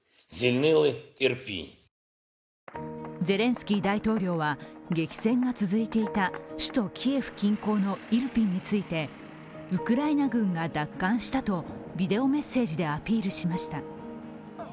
ゼレンスキー大統領は激戦が続いていた首都キエフ近郊のイルピンについて、ウクライナ軍が奪還したとビデオメッセージでアピールしました。